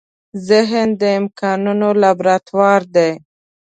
ذهن د امکانونو لابراتوار دی.